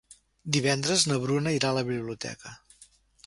Divendres na Bruna irà a la biblioteca.